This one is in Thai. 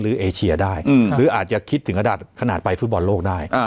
เอเชียได้หรืออาจจะคิดถึงขนาดไปฟุตบอลโลกได้